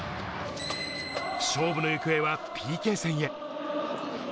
勝負の行方はＰＫ戦へ。